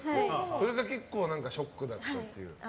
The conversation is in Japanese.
それが結構ショックだったという。